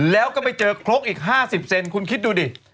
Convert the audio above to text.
แล้วก็ไปเจอครกอีก๕๐เซนคุณคิดดูดิ